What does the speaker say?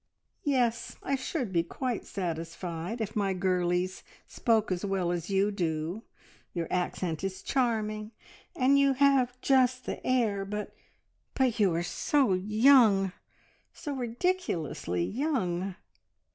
"Yes! I should be quite satisfied if my girlies spoke as well as you do. Your accent is charming, and you have just the air, but but you are so young so ridiculously young!"